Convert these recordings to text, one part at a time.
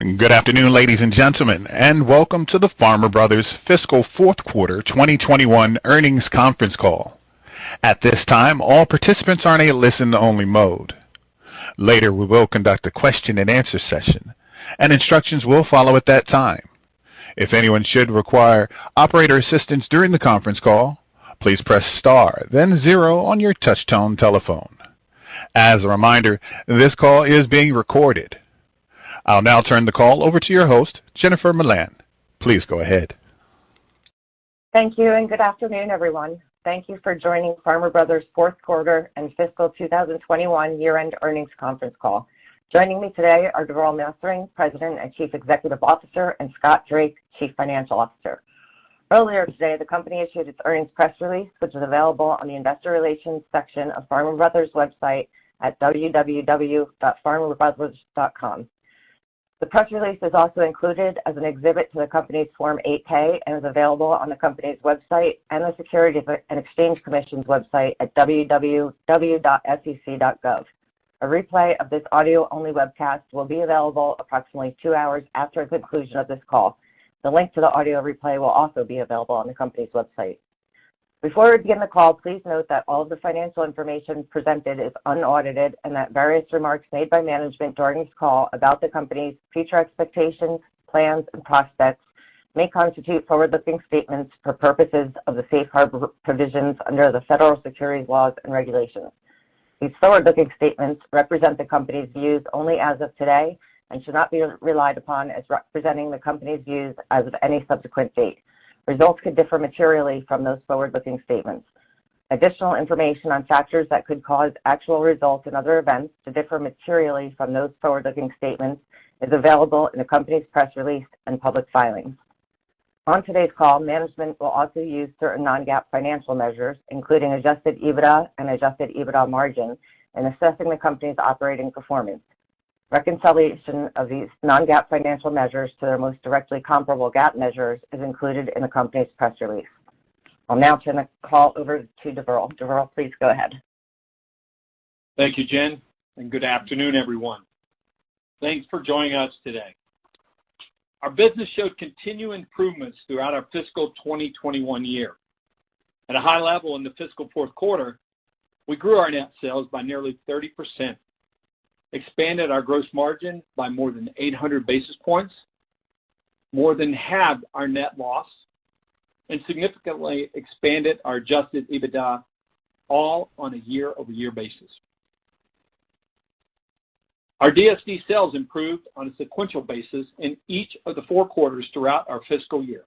Good afternoon, ladies and gentlemen, and welcome to the Farmer Bros fiscal fourth quarter 2021 earnings conference call. At this time, all participants are in a listen-only mode. Later, we will conduct a question and answer session, and instructions will follow at that time. If anyone should require operator assistance during the conference call, please press star then zero on your touch-tone telephone. As a reminder, this call is being recorded. I'll now turn the call over to your host, Jennifer Milan. Please go ahead. Thank you, good afternoon, everyone. Thank you for joining Farmer Bros fourth quarter and fiscal 2021 year-end earnings conference call. Joining me today are Deverl Maserang, President and Chief Executive Officer, and Scott Drake, Chief Financial Officer. Earlier today, the company issued its earnings press release, which is available on the investor relations section of Farmer Bros website at www.farmerbros.com. The press release is also included as an exhibit to the company's Form 8-K and is available on the company's website and the Securities and Exchange Commission's website at www.sec.gov. A replay of this audio-only webcast will be available approximately two hours after the conclusion of this call. The link to the audio replay will also be available on the company's website. Before we begin the call, please note that all of the financial information presented is unaudited and that various remarks made by management during this call about the company's future expectations, plans, and prospects may constitute forward-looking statements for purposes of the safe harbor provisions under the federal securities laws and regulations. These forward-looking statements represent the company's views only as of today and should not be relied upon as representing the company's views as of any subsequent date. Results could differ materially from those forward-looking statements. Additional information on factors that could cause actual results and other events to differ materially from those forward-looking statements is available in the company's press release and public filings. On today's call, management will also use certain non-GAAP financial measures, including adjusted EBITDA and adjusted EBITDA margin in assessing the company's operating performance. Reconciliation of these non-GAAP financial measures to their most directly comparable GAAP measures is included in the company's press release. I'll now turn the call over to Deverl Maserang. Deverl Maserang, please go ahead. Thank you, Jennifer Milan. Good afternoon, everyone. Thanks for joining us today. Our business showed continued improvements throughout our fiscal 2021 year. At a high level in the fiscal fourth quarter, we grew our net sales by nearly 30%, expanded our gross margin by more than 800 basis points, more than halved our net loss, and significantly expanded our adjusted EBITDA, all on a year-over-year basis. Our DSD sales improved on a sequential basis in each of the four quarter throughout our fiscal year,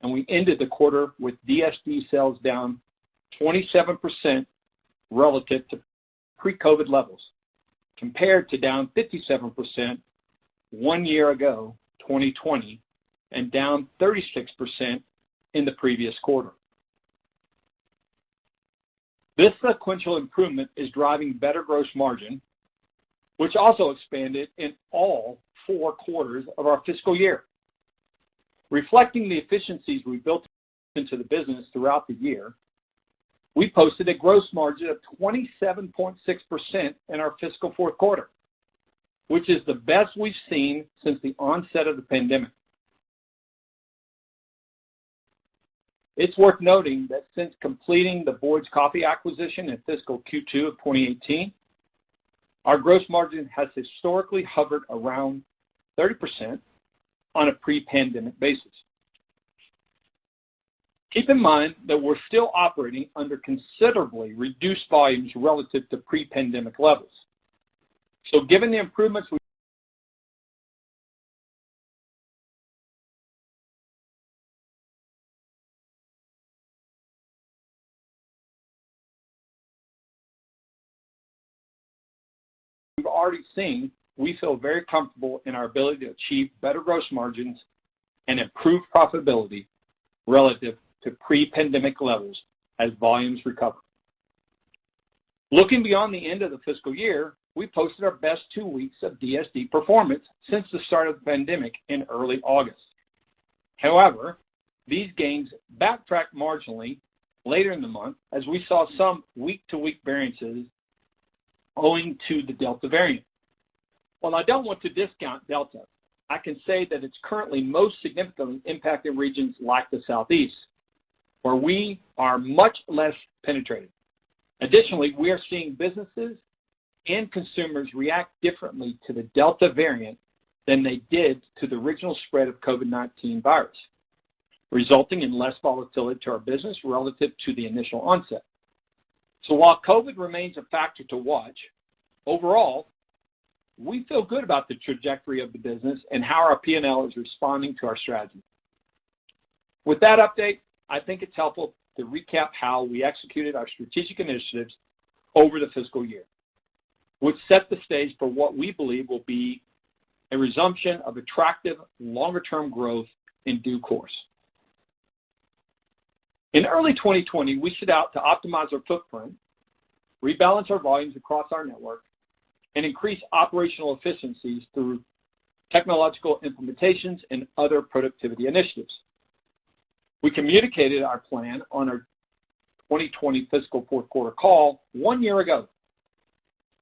and we ended the quarter with DSD sales down 27% relative to pre-COVID levels, compared to down 57% one year ago, 2020, and down 36% in the previous quarter. This sequential improvement is driving better gross margin, which also expanded in all four quarters of our fiscal year. Reflecting the efficiencies we built into the business throughout the year, we posted a gross margin of 27.6% in our fiscal fourth quarter, which is the best we've seen since the onset of the pandemic. It's worth noting that since completing the Boyd's Coffee acquisition in fiscal Q2 of 2018, our gross margin has historically hovered around 30% on a pre-pandemic basis. Keep in mind that we're still operating under considerably reduced volumes relative to pre-pandemic levels. Given the improvements we've already seen, we feel very comfortable in our ability to achieve better gross margins and improve profitability relative to pre-pandemic levels as volumes recover. Looking beyond the end of the fiscal year, we posted our best two weeks of DSD performance since the start of the pandemic in early August. These gains backtracked marginally later in the month as we saw some week-to-week variances owing to the Delta variant. I don't want to discount Delta, I can say that it's currently most significantly impacting regions like the Southeast, where we are much less penetrated. We are seeing businesses and consumers react differently to the Delta variant than they did to the original spread of COVID-19 virus, resulting in less volatility to our business relative to the initial onset. While COVID remains a factor to watch, overall, we feel good about the trajectory of the business and how our P&L is responding to our strategy. With that update, I think it's helpful to recap how we executed our strategic initiatives over the fiscal year, which set the stage for what we believe will be a resumption of attractive longer-term growth in due course. In early 2020, we set out to optimize our footprint, rebalance our volumes across our network, and increase operational efficiencies through technological implementations and other productivity initiatives. We communicated our plan on our 2020 fiscal fourth quarter call one year ago.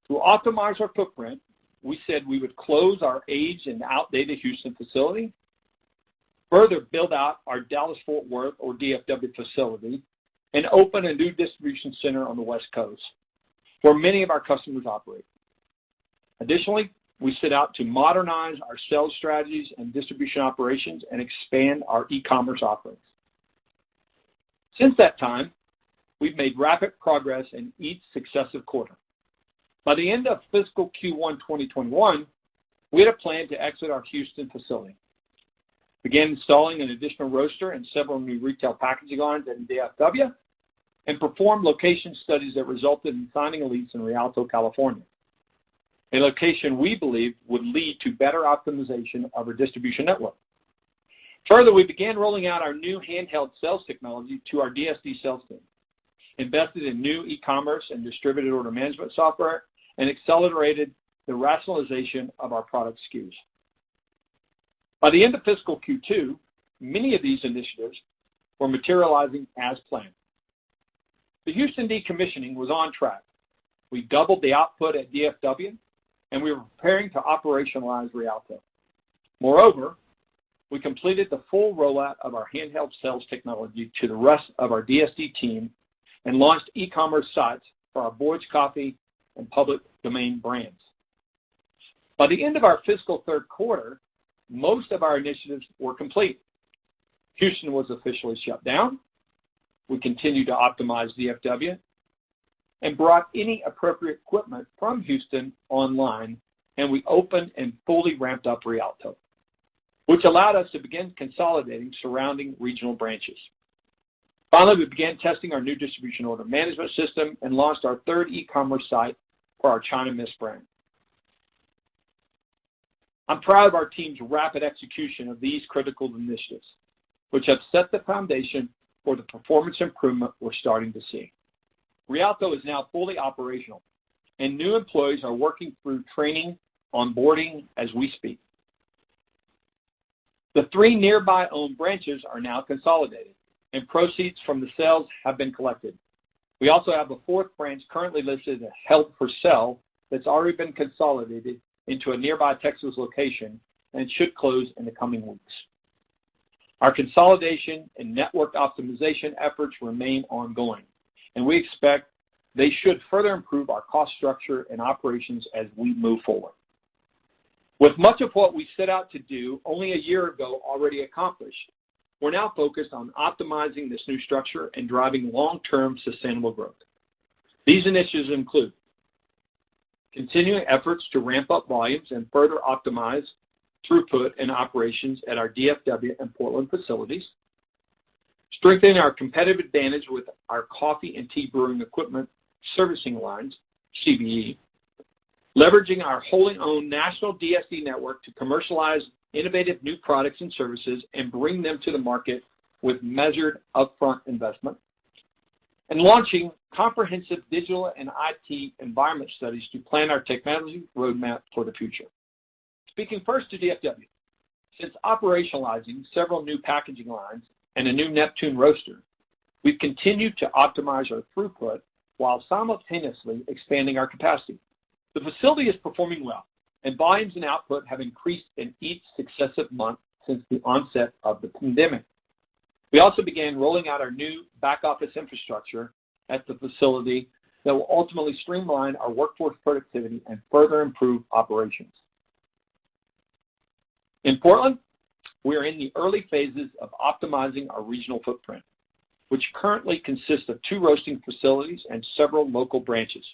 To optimize our footprint, we said we would close our aged and outdated Houston facility, further build out our Dallas-Fort Worth, or DFW, facility, and open a new distribution center on the West Coast, where many of our customers operate. Additionally, we set out to modernize our sales strategies and distribution operations and expand our e-commerce offerings. Since that time, we've made rapid progress in each successive quarter. By the end of fiscal Q1 2021, we had a plan to exit our Houston facility, begin installing an additional roaster and several new retail packaging lines in DFW, and perform location studies that resulted in signing a lease in Rialto, California, a location we believe would lead to better optimization of our distribution network. We began rolling out our new handheld sales technology to our DSD sales team, invested in new e-commerce and distributed order management software, and accelerated the rationalization of our product SKUs. By the end of fiscal Q2, many of these initiatives were materializing as planned. The Houston decommissioning was on track. We doubled the output at DFW, and we were preparing to operationalize Rialto. We completed the full rollout of our handheld sales technology to the rest of our DSD team and launched e-commerce sites for our Boyd's Coffee and Public Domain brands. By the end of our fiscal third quarter, most of our initiatives were complete. Houston was officially shut down. We continued to optimize DFW and brought any appropriate equipment from Houston online, and we opened and fully ramped up Rialto, which allowed us to begin consolidating surrounding regional branches. Finally, we began testing our new distribution order management system and launched our third e-commerce site for our China Mist brand. I'm proud of our team's rapid execution of these critical initiatives, which have set the foundation for the performance improvement we're starting to see. Rialto is now fully operational, and new employees are working through training, onboarding as we speak. The three nearby owned branches are now consolidated, and proceeds from the sales have been collected. We also have a fourth branch currently listed as held for sale that's already been consolidated into a nearby Texas location and should close in the coming weeks. Our consolidation and network optimization efforts remain ongoing, and we expect they should further improve our cost structure and operations as we move forward. With much of what we set out to do only a year ago already accomplished, we're now focused on optimizing this new structure and driving long-term sustainable growth. These initiatives include continuing efforts to ramp up volumes and further optimize throughput and operations at our DFW and Portland facilities, strengthen our competitive advantage with our coffee and tea brewing equipment servicing lines, CBE, leveraging our wholly owned national DSD network to commercialize innovative new products and services and bring them to the market with measured upfront investment, and launching comprehensive digital and IT environment studies to plan our technology roadmap for the future. Speaking first to DFW. Since operationalizing several new packaging lines and a new Neptune roaster, we've continued to optimize our throughput while simultaneously expanding our capacity. The facility is performing well, and volumes and output have increased in each successive month since the onset of the pandemic. We also began rolling out our new back office infrastructure at the facility that will ultimately streamline our workforce productivity and further improve operations. In Portland, we are in the early phases of optimizing our regional footprint, which currently consists of two roasting facilities and several local branches.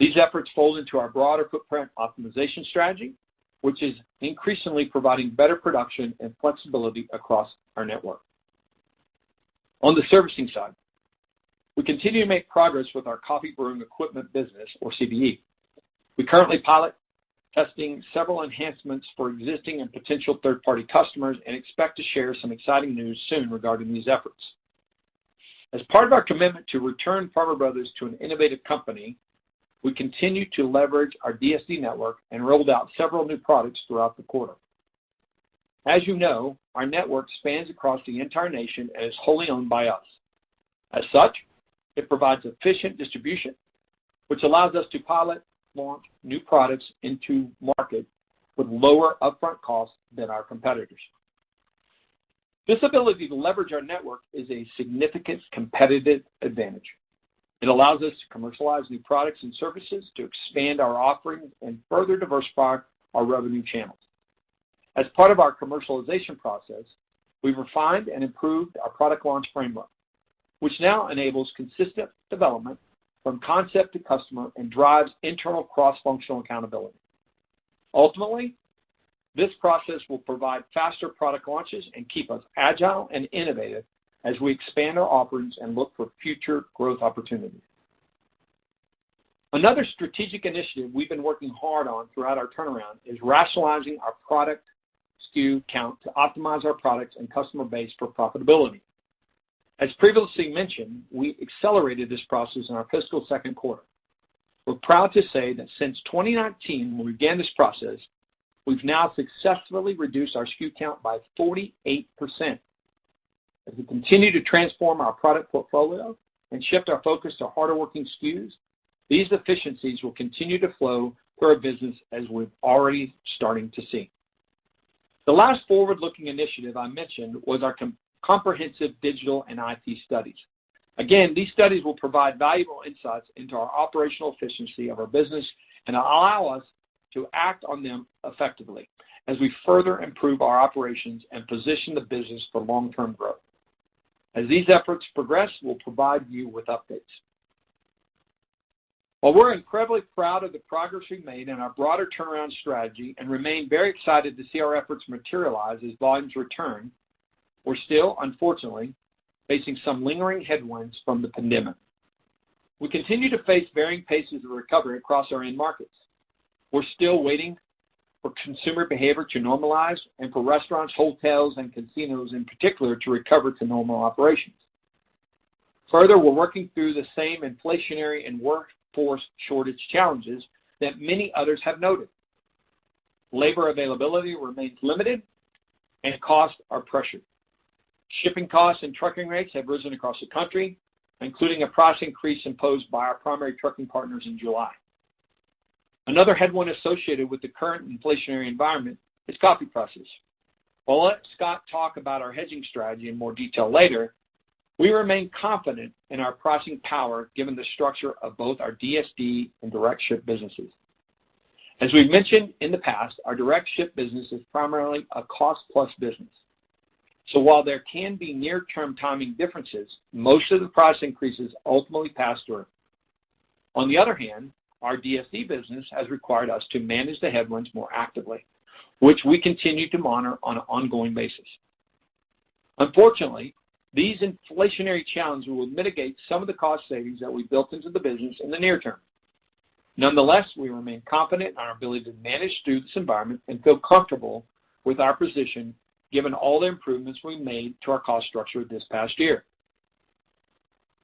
These efforts fold into our broader footprint optimization strategy, which is increasingly providing better production and flexibility across our network. On the servicing side, we continue to make progress with our coffee brewing equipment business or CBE. We currently pilot testing several enhancements for existing and potential third-party customers and expect to share some exciting news soon regarding these efforts. As part of our commitment to return Farmer Bros. Co. to an innovative company, we continue to leverage our DSD network and rolled out several new products throughout the quarter. As you know, our network spans across the entire nation and is wholly owned by us. As such, it provides efficient distribution, which allows us to pilot launch new products into market with lower upfront costs than our competitors. This ability to leverage our network is a significant competitive advantage. It allows us to commercialize new products and services to expand our offerings and further diversify our revenue channels. As part of our commercialization process, we refined and improved our product launch framework, which now enables consistent development from concept to customer and drives internal cross-functional accountability. Ultimately, this process will provide faster product launches and keep us agile and innovative as we expand our offerings and look for future growth opportunities. Another strategic initiative we've been working hard on throughout our turnaround is rationalizing our product SKU count to optimize our products and customer base for profitability. As previously mentioned, we accelerated this process in our fiscal second quarter. We're proud to say that since 2019, when we began this process, we've now successfully reduced our SKU count by 48%. As we continue to transform our product portfolio and shift our focus to harder working SKUs, these efficiencies will continue to flow through our business as we're already starting to see. The last forward-looking initiative I mentioned was our comprehensive digital and IT studies. Again, these studies will provide valuable insights into our operational efficiency of our business and allow us to act on them effectively as we further improve our operations and position the business for long-term growth. As these efforts progress, we'll provide you with updates. While we're incredibly proud of the progress we've made in our broader turnaround strategy and remain very excited to see our efforts materialize as volumes return, we're still, unfortunately, facing some lingering headwinds from the pandemic. We continue to face varying paces of recovery across our end markets. We're still waiting for consumer behavior to normalize and for restaurants, hotels, and casinos in particular to recover to normal operations. Further, we're working through the same inflationary and workforce shortage challenges that many others have noted. Labor availability remains limited and costs are pressured. Shipping costs and trucking rates have risen across the country, including a price increase imposed by our primary trucking partners in July. Another headwind associated with the current inflationary environment is coffee prices. While I'll let Scott talk about our hedging strategy in more detail later, we remain confident in our pricing power given the structure of both our DSD and direct ship businesses. As we've mentioned in the past, our direct ship business is primarily a cost-plus business. While there can be near-term timing differences, most of the price increases ultimately pass through. On the other hand, our DSD business has required us to manage the headwinds more actively, which we continue to monitor on an ongoing basis. Unfortunately, these inflationary challenges will mitigate some of the cost savings that we built into the business in the near term. Nonetheless, we remain confident in our ability to manage through this environment and feel comfortable with our position given all the improvements we've made to our cost structure this past year.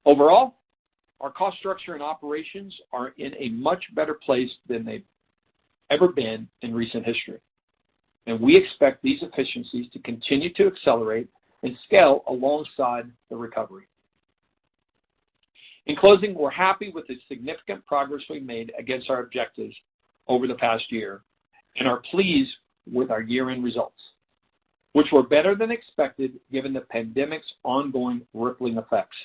Overall, our cost structure and operations are in a much better place than they've ever been in recent history. We expect these efficiencies to continue to accelerate and scale alongside the recovery. In closing, we're happy with the significant progress we've made against our objectives over the past year and are pleased with our year-end results, which were better than expected given the pandemic's ongoing rippling effects.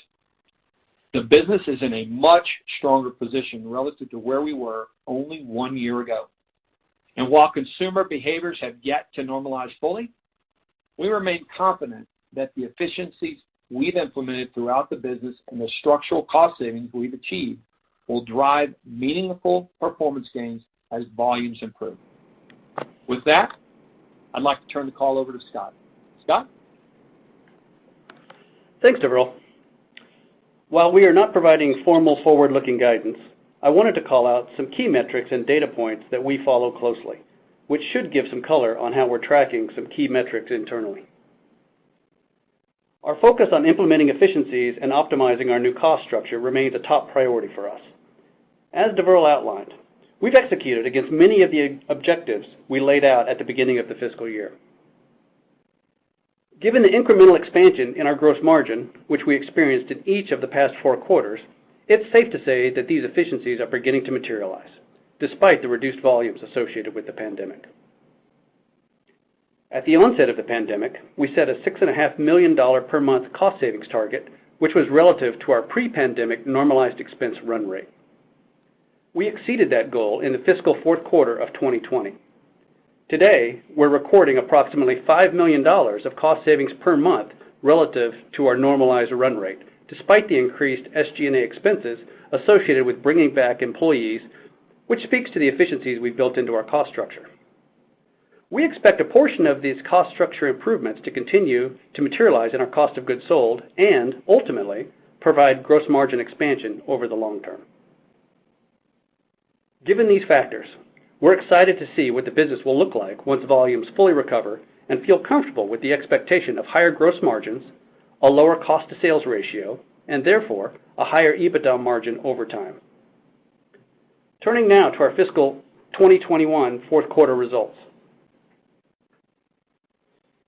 The business is in a much stronger position relative to where we were only one year ago. While consumer behaviors have yet to normalize fully, we remain confident that the efficiencies we've implemented throughout the business and the structural cost savings we've achieved will drive meaningful performance gains as volumes improve. With that, I'd like to turn the call over to Scott. Scott? Thanks, Deverl. While we are not providing formal forward-looking guidance, I wanted to call out some key metrics and data points that we follow closely, which should give some color on how we're tracking some key metrics internally. Our focus on implementing efficiencies and optimizing our new cost structure remains a top priority for us. As Deverl outlined, we've executed against many of the objectives we laid out at the beginning of the fiscal year. Given the incremental expansion in our gross margin, which we experienced in each of the past four quarters, it's safe to say that these efficiencies are beginning to materialize, despite the reduced volumes associated with the pandemic. At the onset of the pandemic, we set a $6.5 million per month cost savings target, which was relative to our pre-pandemic normalized expense run rate. We exceeded that goal in the fiscal fourth quarter of 2020. Today, we're recording approximately $5 million of cost savings per month relative to our normalized run rate, despite the increased SG&A expenses associated with bringing back employees, which speaks to the efficiencies we've built into our cost structure. We expect a portion of these cost structure improvements to continue to materialize in our cost of goods sold and ultimately provide gross margin expansion over the long term. Given these factors, we're excited to see what the business will look like once volumes fully recover and feel comfortable with the expectation of higher gross margins, a lower cost to sales ratio, and therefore, a higher EBITDA margin over time. Turning now to our fiscal 2021 fourth quarter results.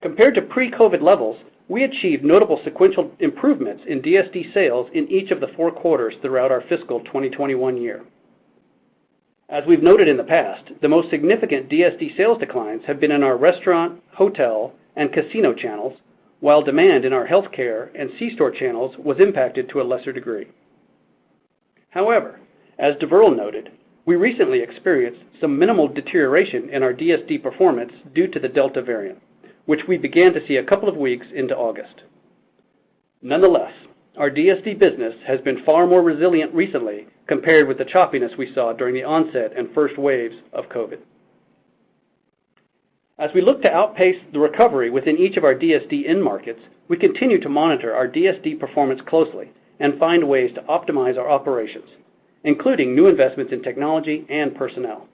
Compared to pre-COVID levels, we achieved notable sequential improvements in DSD sales in each of the four quarters throughout our fiscal 2021 year. As we've noted in the past, the most significant DSD sales declines have been in our restaurant, hotel, and casino channels, while demand in our healthcare and c-store channels was impacted to a lesser degree. However, as Deverl noted, we recently experienced some minimal deterioration in our DSD performance due to the Delta variant, which we began to see a couple of weeks into August. Nonetheless, our DSD business has been far more resilient recently compared with the choppiness we saw during the onset and first waves of COVID. As we look to outpace the recovery within each of our DSD end markets, we continue to monitor our DSD performance closely and find ways to optimize our operations, including new investments in technology and personnel.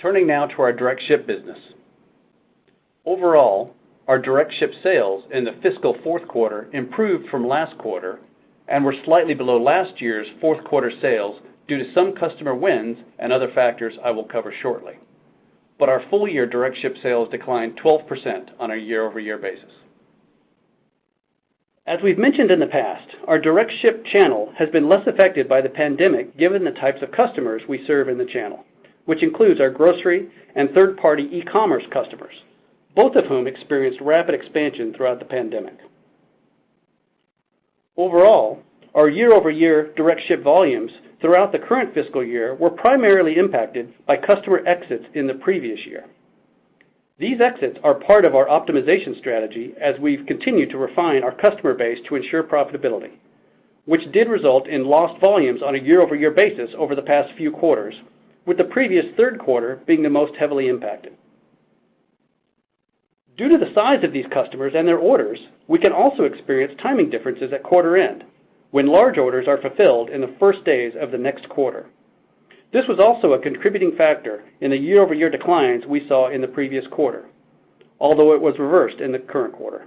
Turning now to our direct ship business. Overall, our direct ship sales in the fiscal fourth quarter improved from last quarter and were slightly below last year's fourth quarter sales due to some customer wins and other factors I will cover shortly. Our full-year direct ship sales declined 12% on a year-over-year basis. As we've mentioned in the past, our direct ship channel has been less affected by the pandemic given the types of customers we serve in the channel, which includes our grocery and third-party e-commerce customers, both of whom experienced rapid expansion throughout the pandemic. Overall, our year-over-year direct ship volumes throughout the current fiscal year were primarily impacted by customer exits in the previous year. These exits are part of our optimization strategy as we've continued to refine our customer base to ensure profitability, which did result in lost volumes on a year-over-year basis over the past few quarters, with the previous third quarter being the most heavily impacted. Due to the size of these customers and their orders, we can also experience timing differences at quarter end when large orders are fulfilled in the 1st days of the next quarter. This was also a contributing factor in the year-over-year declines we saw in the previous quarter, although it was reversed in the current quarter.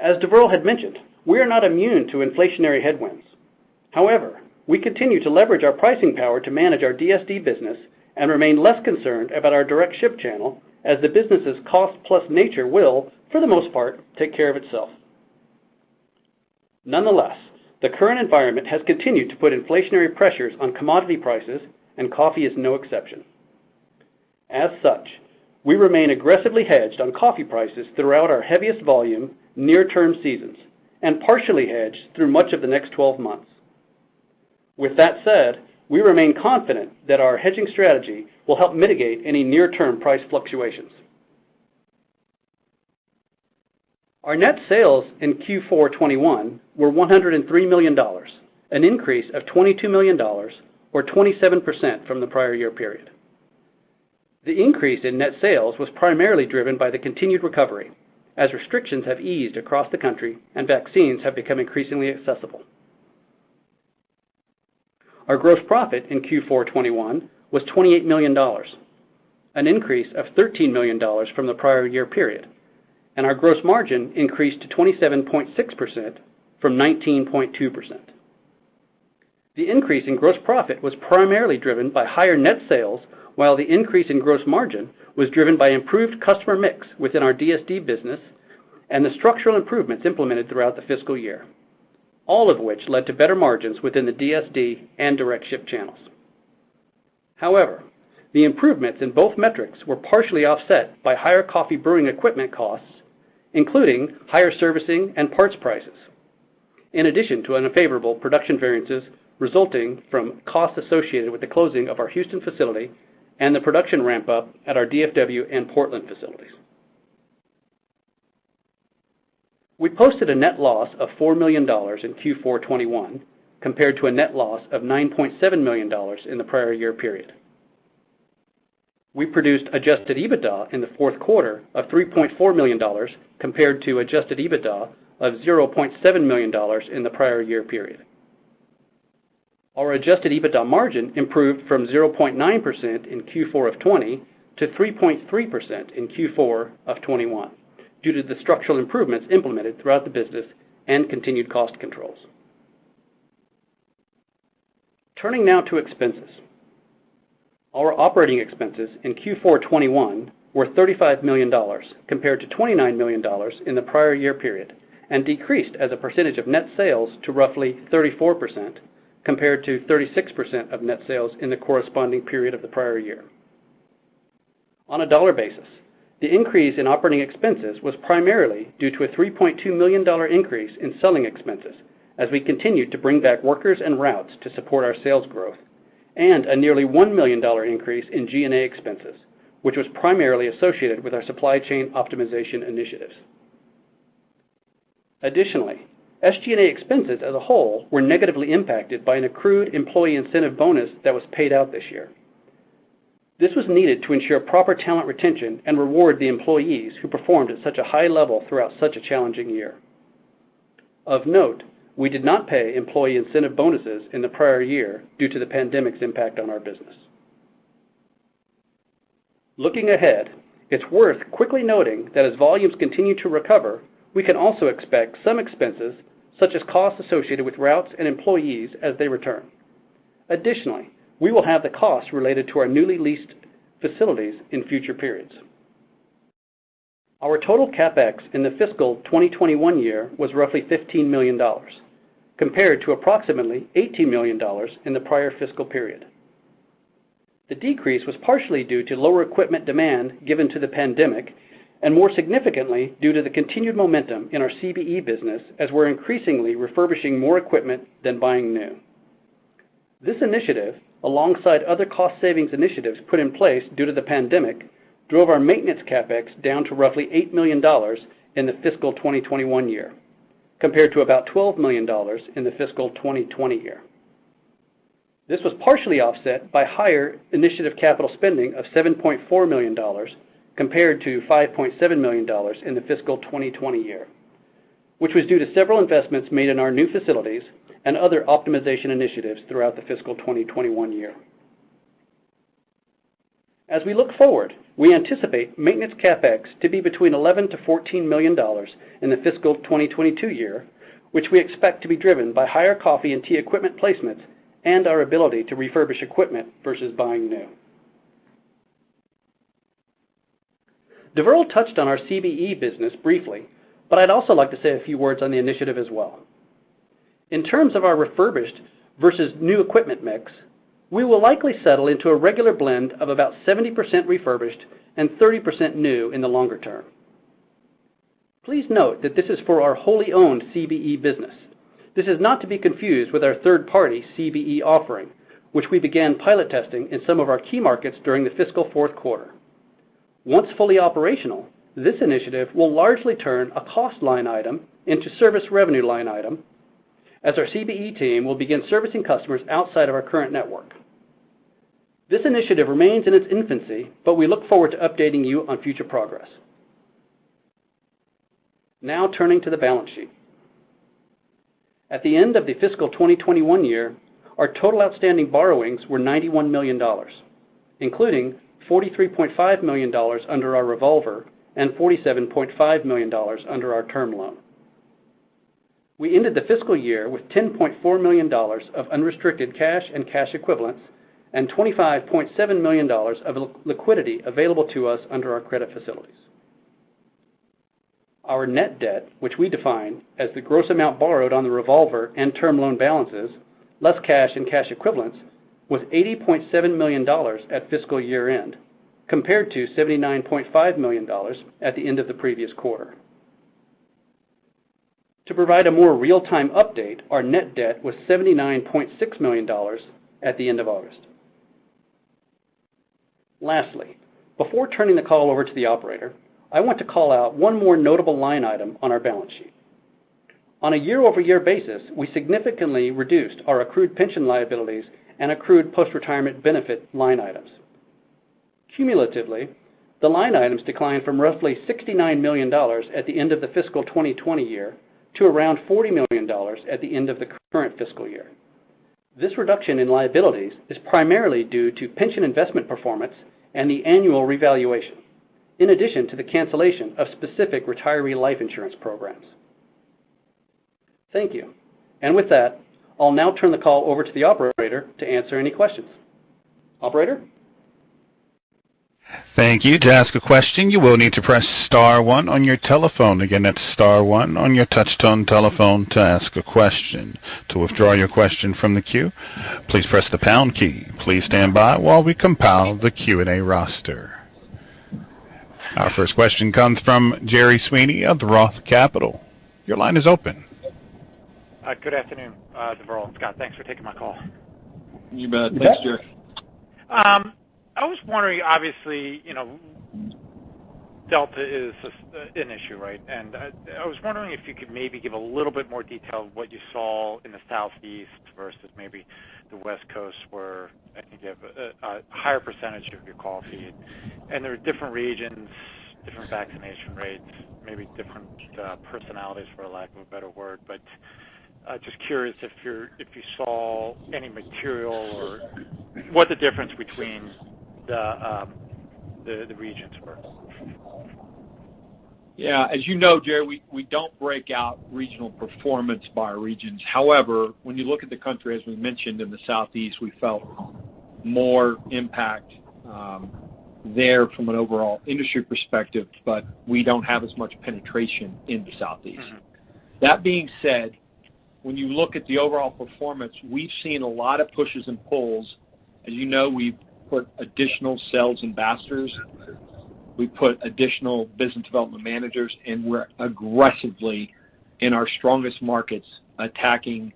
As Deverl had mentioned, we are not immune to inflationary headwinds. However, we continue to leverage our pricing power to manage our DSD business and remain less concerned about our direct ship channel as the business's cost-plus nature will, for the most part, take care of itself. Nonetheless, the current environment has continued to put inflationary pressures on commodity prices. Coffee is no exception. As such, we remain aggressively hedged on coffee prices throughout our heaviest volume near-term seasons, and partially hedged through much of the next 12 months. With that said, we remain confident that our hedging strategy will help mitigate any near-term price fluctuations. Our net sales in Q4 2021 were $103 million, an increase of $22 million, or 27% from the prior year period. The increase in net sales was primarily driven by the continued recovery, as restrictions have eased across the country and vaccines have become increasingly accessible. Our gross profit in Q4 2021 was $28 million, an increase of $13 million from the prior year period. Our gross margin increased to 27.6% from 19.2%. The increase in gross profit was primarily driven by higher net sales, while the increase in gross margin was driven by improved customer mix within our DSD business and the structural improvements implemented throughout the fiscal year, all of which led to better margins within the DSD and direct ship channels. However, the improvements in both metrics were partially offset by higher coffee brewing equipment costs, including higher servicing and parts prices, in addition to unfavorable production variances resulting from costs associated with the closing of our Houston facility and the production ramp-up at our DFW and Portland facilities. We posted a net loss of $4 million in Q4 2021 compared to a net loss of $9.7 million in the prior year period. We produced adjusted EBITDA in the fourth quarter of $3.4 million compared to adjusted EBITDA of $0.7 million in the prior year period. Our adjusted EBITDA margin improved from 0.9% in Q4 of 2020 to 3.3% in Q4 of 2021 due to the structural improvements implemented throughout the business and continued cost controls. Turning now to expenses. Our operating expenses in Q4 2021 were $35 million compared to $29 million in the prior year period, and decreased as a percentage of net sales to roughly 34% compared to 36% of net sales in the corresponding period of the prior year. On a dollar basis, the increase in operating expenses was primarily due to a $3.2 million increase in selling expenses as we continued to bring back workers and routes to support our sales growth, and a nearly $1 million increase in G&A expenses, which was primarily associated with our supply chain optimization initiatives. Additionally, SG&A expenses as a whole were negatively impacted by an accrued employee incentive bonus that was paid out this year. This was needed to ensure proper talent retention and reward the employees who performed at such a high level throughout such a challenging year. Of note, we did not pay employee incentive bonuses in the prior year due to the pandemic's impact on our business. Looking ahead, it's worth quickly noting that as volumes continue to recover, we can also expect some expenses such as costs associated with routes and employees as they return. Additionally, we will have the costs related to our newly leased facilities in future periods. Our total CapEx in the fiscal 2021 year was roughly $15 million, compared to approximately $18 million in the prior fiscal period. The decrease was partially due to lower equipment demand given to the pandemic, and more significantly due to the continued momentum in our CBE business as we're increasingly refurbishing more equipment than buying new. This initiative, alongside other cost savings initiatives put in place due to the pandemic, drove our maintenance CapEx down to roughly $8 million in the fiscal 2021 year, compared to about $12 million in the fiscal 2020 year. This was partially offset by higher initiative capital spending of $7.4 million compared to $5.7 million in the fiscal 2020 year, which was due to several investments made in our new facilities and other optimization initiatives throughout the fiscal 2021 year. As we look forward, we anticipate maintenance CapEx to be between $11 million-$14 million in the fiscal 2022 year, which we expect to be driven by higher coffee and tea equipment placements and our ability to refurbish equipment versus buying new. Deverl touched on our CBE business briefly, but I'd also like to say a few words on the initiative as well. In terms of our refurbished versus new equipment mix, we will likely settle into a regular blend of about 70% refurbished and 30% new in the longer term. Please note that this is for our wholly owned CBE business. This is not to be confused with our third-party CBE offering, which we began pilot testing in some of our key markets during the fiscal fourth quarter. Once fully operational, this initiative will largely turn a cost line item into service revenue line item as our CBE team will begin servicing customers outside of our current network. This initiative remains in its infancy, but we look forward to updating you on future progress. Now, turning to the balance sheet. At the end of the fiscal 2021 year, our total outstanding borrowings were $91 million, including $43.5 million under our revolver and $47.5 million under our term loan. We ended the fiscal year with $10.4 million of unrestricted cash and cash equivalents and $25.7 million of liquidity available to us under our credit facilities. Our net debt, which we define as the gross amount borrowed on the revolver and term loan balances, less cash and cash equivalents, was $80.7 million at fiscal year-end, compared to $79.5 million at the end of the previous quarter. To provide a more real-time update, our net debt was $79.6 million at the end of August. Lastly, before turning the call over to the operator, I want to call out one more notable line item on our balance sheet. On a year-over-year basis, we significantly reduced our accrued pension liabilities and accrued post-retirement benefit line items. Cumulatively, the line items declined from roughly $69 million at the end of the fiscal 2020 year to around $40 million at the end of the current fiscal year. This reduction in liabilities is primarily due to pension investment performance and the annual revaluation, in addition to the cancellation of specific retiree life insurance programs. Thank you. With that, I'll now turn the call over to the operator to answer any questions. Operator? Thank you. Our first question comes from Gerard Sweeney of ROTH Capital Partners. Your line is open. Good afternoon, Deverl, Scott. Thanks for taking my call. You bet. Thanks, Gerard Sweeney. You bet. I was wondering, obviously, Delta is an issue, right? I was wondering if you could maybe give a little bit more detail of what you saw in the Southeast versus maybe the West Coast, where I think you have a higher percentage of your coffee. There are different regions, different vaccination rates, maybe different personalities, for lack of a better word. Just curious if you saw any material or what the difference between the regions were. Yeah. As you know, Jerry, we don't break out regional performance by regions. However, when you look at the country, as we mentioned in the Southeast, we felt more impact there from an overall industry perspective, but we don't have as much penetration in the Southeast. That being said, when you look at the overall performance, we've seen a lot of pushes and pulls. As you know, we've put additional sales ambassadors, we put additional business development managers, and we're aggressively in our strongest markets attacking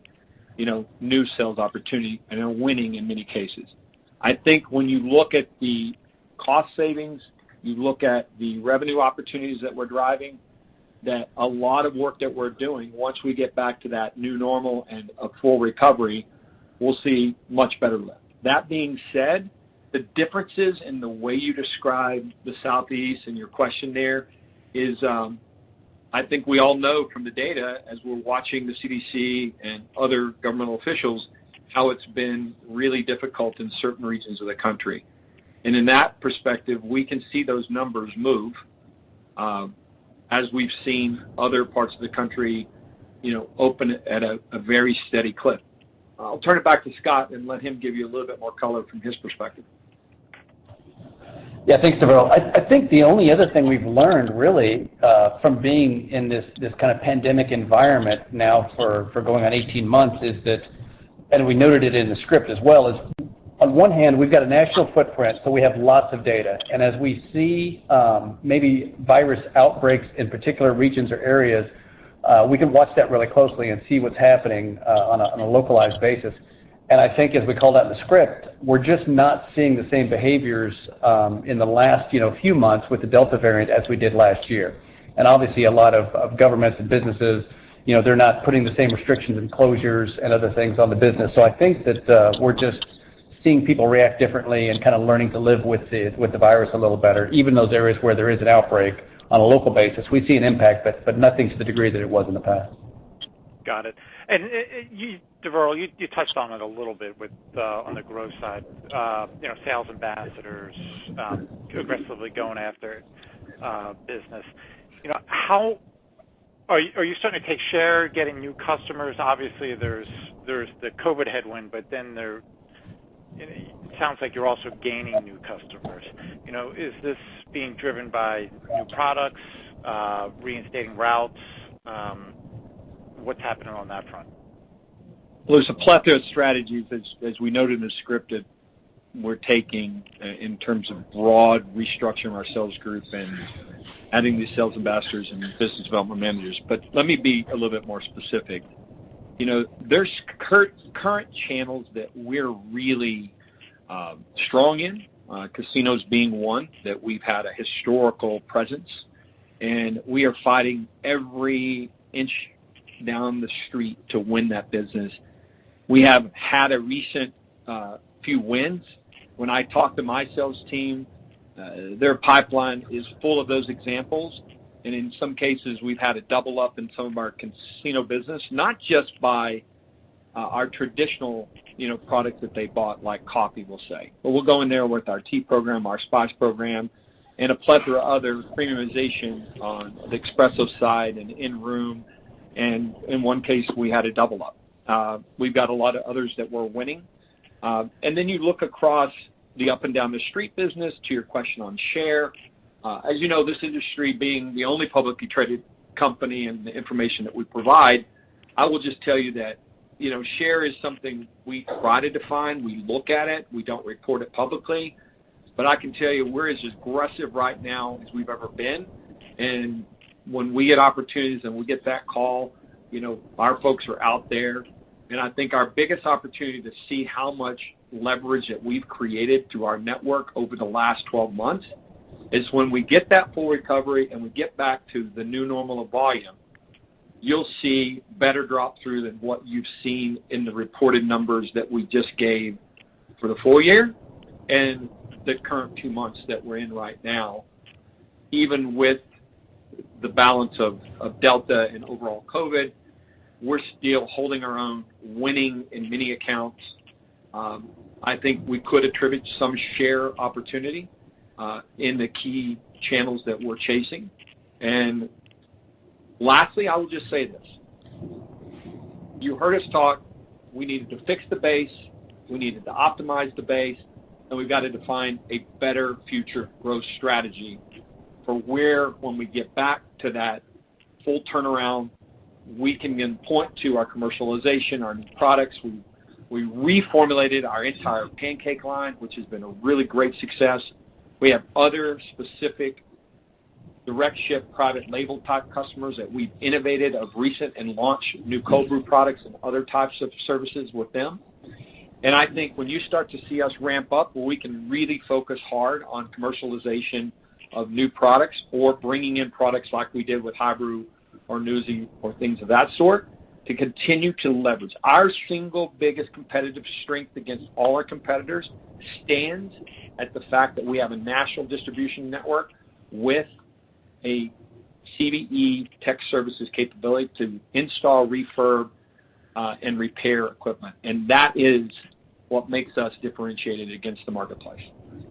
new sales opportunity, and are winning in many cases. I think when you look at the cost savings, you look at the revenue opportunities that we're driving, that a lot of work that we're doing, once we get back to that new normal and a full recovery, we'll see much better lift. That being said, the differences in the way you describe the Southeast in your question there is, I think we all know from the data as we're watching the CDC and other governmental officials, how it's been really difficult in certain regions of the country. In that perspective, we can see those numbers move, as we've seen other parts of the country open at a very steady clip. I'll turn it back to Scott and let him give you a little bit more color from his perspective. Yeah. Thanks, Deverl. I think the only other thing we've learned really from being in this kind of pandemic environment now for going on 18 months is that, and we noted it in the script as well, is on one hand, we've got a national footprint. We have lots of data. As we see maybe virus outbreaks in particular regions or areas, we can watch that really closely and see what's happening on a localized basis. I think as we called out in the script, we're just not seeing the same behaviors in the last few months with the Delta variant as we did last year. Obviously a lot of governments and businesses, they're not putting the same restrictions and closures and other things on the business. Seeing people react differently and kind of learning to live with the virus a little better, even those areas where there is an outbreak on a local basis, we see an impact, but nothing to the degree that it was in the past. Got it. Deverl, you touched on it a little bit on the growth side, sales ambassadors aggressively going after business. Are you starting to take share, getting new customers? Obviously, there's the COVID headwind, it sounds like you're also gaining new customers. Is this being driven by new products, reinstating routes? What's happening on that front? Well, there's a plethora of strategies, as we noted in the script, that we're taking in terms of broad restructuring our sales group and adding these sales ambassadors and business development managers. Let me be a little bit more specific. There's current channels that we're really strong in, casinos being one, that we've had a historical presence, and we are fighting every inch down the street to win that business. We have had a recent few wins. When I talk to my sales team, their pipeline is full of those examples. In some cases, we've had a double up in some of our casino business, not just by our traditional product that they bought, like coffee, we'll say. We'll go in there with our tea program, our spice program, and a plethora of other premiumization on the espresso side and in room. In one case, we had a double up. We've got a lot of others that we're winning. Then you look across the up and down the street business to your question on share. As you know, this industry being the only publicly traded company and the information that we provide, I will just tell you that share is something we try to define. We look at it, we don't report it publicly. I can tell you we're as aggressive right now as we've ever been. When we get opportunities and we get that call, our folks are out there. I think our biggest opportunity to see how much leverage that we've created through our network over the last 12 months is when we get that full recovery and we get back to the new normal of volume, you'll see better drop through than what you've seen in the reported numbers that we just gave for the full year and the current two months that we're in right now. Even with the balance of Delta and overall COVID, we're still holding our own, winning in many accounts. I think we could attribute some share opportunity, in the key channels that we're chasing. Lastly, I will just say this. You heard us talk, we needed to fix the base, we needed to optimize the base, and we've got to define a better future growth strategy for where, when we get back to that full turnaround, we can then point to our commercialization, our new products. We reformulated our entire pancake line, which has been a really great success. We have other specific direct ship, private label type customers that we've innovated of recent and launched new cold brew products and other types of services with them. I think when you start to see us ramp up, where we can really focus hard on commercialization of new products or bringing in products like we did with HiBREW or NuZee or things of that sort, to continue to leverage. Our single biggest competitive strength against all our competitors stands at the fact that we have a national distribution network with a CBE tech services capability to install, refurb, and repair equipment. That is what makes us differentiated against the marketplace.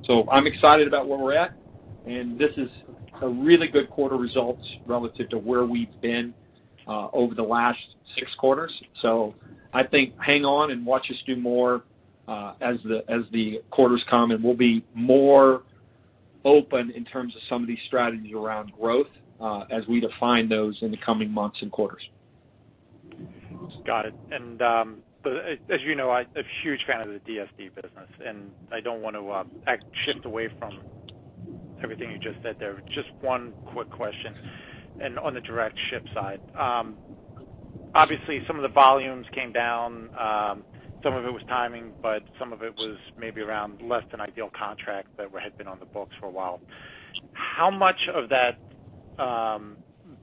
I'm excited about where we're at, and this is a really good quarter results relative to where we've been over the last six quarters. I think hang on and watch us do more as the quarters come, and we'll be more open in terms of some of these strategies around growth as we define those in the coming months and quarters. Got it. As you know, I'm a huge fan of the DSD business, and I don't want to shift away from everything you just said there. Just one quick question. On the direct ship side, obviously some of the volumes came down. Some of it was timing, but some of it was maybe around less than ideal contract that had been on the books for a while. How much of that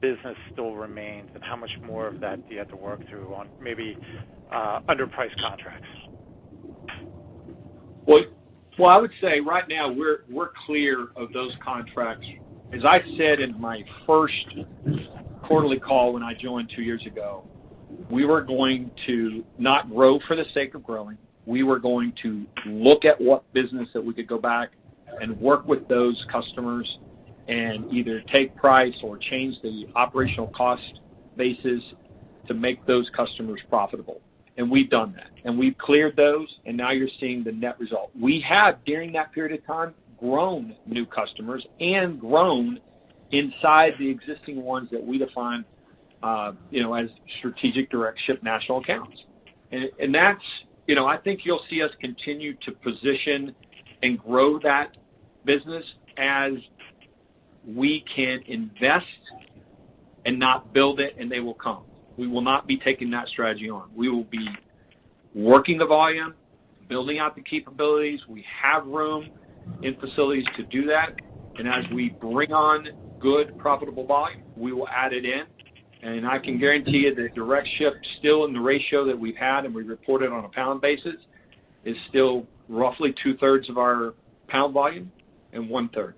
business still remains, and how much more of that do you have to work through on maybe underpriced contracts? Well, I would say right now we're clear of those contracts. As I said in my first quarterly call when I joined two years ago, we were going to not grow for the sake of growing. We were going to look at what business that we could go back and work with those customers and either take price or change the operational cost basis to make those customers profitable. We've done that. We've cleared those, and now you're seeing the net result. We have, during that period of time, grown new customers and grown inside the existing ones that we define as strategic direct ship national accounts. I think you'll see us continue to position and grow that business as we can invest and not build it, and they will come. We will not be taking that strategy on. We will be working the volume, building out the capabilities. We have room in facilities to do that. As we bring on good, profitable volume, we will add it in. I can guarantee you that direct ship, still in the ratio that we've had, and we reported on a pound basis, is still roughly two-thirds of our pound volume and one-third.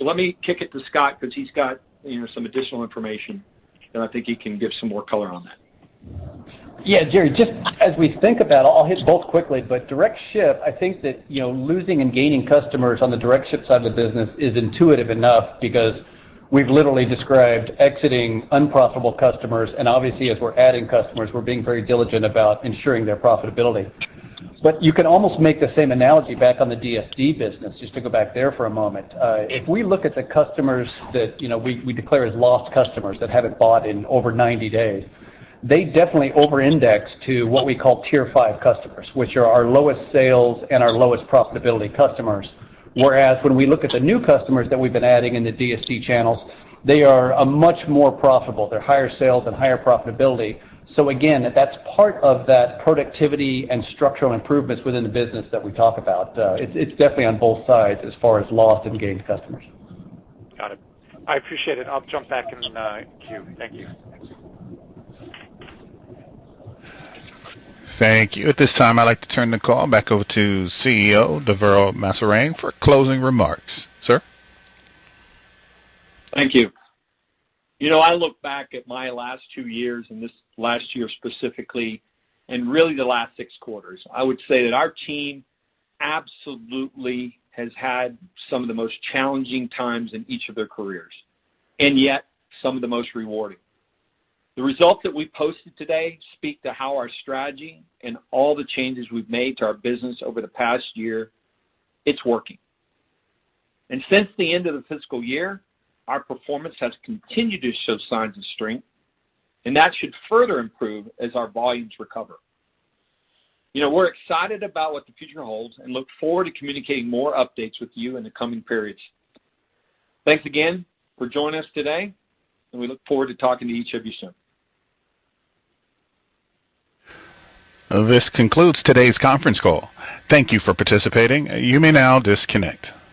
Let me kick it to Scott, because he's got some additional information, and I think he can give some more color on that. Yeah, Jerry, just as we think about it, I'll hit both quickly, direct ship, I think that losing and gaining customers on the direct ship side of the business is intuitive enough because we've literally described exiting unprofitable customers. Obviously, as we're adding customers, we're being very diligent about ensuring their profitability. You can almost make the same analogy back on the DSD business, just to go back there for a moment. If we look at the customers that we declare as lost customers, that haven't bought in over 90 days, they definitely over-index to what we call tier five customers, which are our lowest sales and our lowest profitability customers. Whereas when we look at the new customers that we've been adding in the DSD channels, they are much more profitable. They're higher sales and higher profitability. Again, that's part of that productivity and structural improvements within the business that we talk about. It's definitely on both sides as far as lost and gained customers. Got it. I appreciate it. I'll jump back in the queue. Thank you. Thank you. At this time, I'd like to turn the call back over to CEO, Deverl Maserang, for closing remarks. Sir? Thank you. I look back at my last two years, and this last year specifically, and really the last six quarters. I would say that our team absolutely has had some of the most challenging times in each of their careers, and yet some of the most rewarding. The results that we posted today speak to how our strategy and all the changes we've made to our business over the past year, it's working. Since the end of the fiscal year, our performance has continued to show signs of strength, and that should further improve as our volumes recover. We're excited about what the future holds and look forward to communicating more updates with you in the coming periods. Thanks again for joining us today, and we look forward to talking to each of you soon. This concludes today's conference call. Thank you for participating. You may now disconnect.